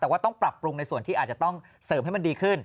แต่ว่าต้องปรับปรุงในส่วนที่อาจจะต้องเสริมให้มันดีขึ้น